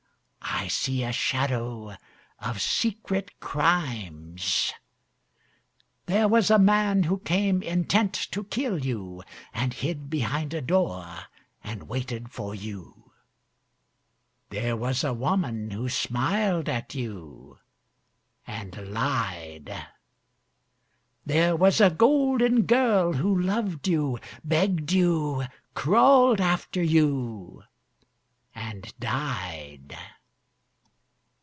I see a shadow of secret crimes. 'There was a man who came intent to kill you, And hid behind a door and waited for you; There was a woman who smiled at you and lied. There was a golden girl who loved you, begged you, Crawled after you, and died.